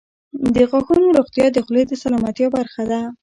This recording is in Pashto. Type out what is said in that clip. • د غاښونو روغتیا د خولې د سلامتیا برخه ده.